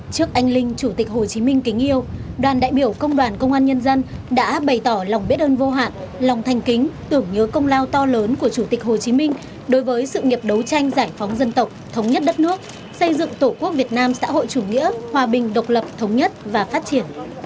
trước anh linh chủ tịch hồ chí minh kính yêu đoàn đại biểu công đoàn công an nhân dân đã bày tỏ lòng biết ơn vô hạn lòng thành kính tưởng nhớ công lao to lớn của chủ tịch hồ chí minh đối với sự nghiệp đấu tranh giải phóng dân tộc thống nhất đất nước xây dựng tổ quốc việt nam xã hội chủ nghĩa hòa bình độc lập thống nhất và phát triển